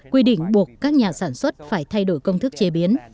quy định buộc các nhà sản xuất phải thay đổi công thức chế biến